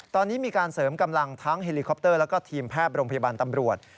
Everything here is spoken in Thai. ตอนนี้มีการเสริมกำลังทั้งเฮลิคอปเตอร์แล้วก็ทีมแพทย์โรงพยาบาลตำรวจ